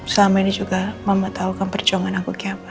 selama ini juga mama tau kan perjuangan aku kayak apa